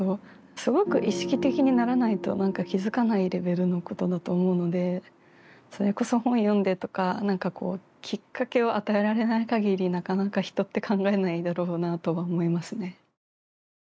すごく意識的にならないと何か気付かないレベルのことだと思うのでそれこそ本読んでとか何かこうきっかけを与えられないかぎりなかなか人って考えないだろうなとは思いますね。